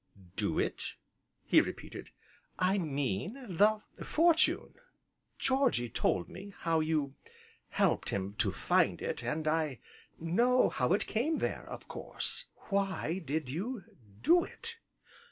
"Do it?" he repeated. "I mean the fortune. Georgy told me how you helped him to find it, and I know how it came there, of course. Why did you do it?"